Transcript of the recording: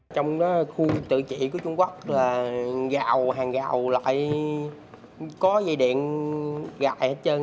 trong khu tự trị của trung quốc là hàng gạo lại có dây điện gại hết trơn